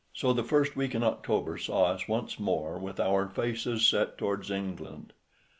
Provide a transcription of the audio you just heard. So the first week in October saw us once more with our faces set towards England.